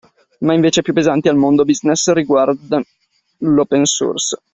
Ma, invece, più pensati al mondo business riguardo l’open source.